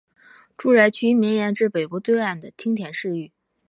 住宅区绵延至北部对岸的町田市域。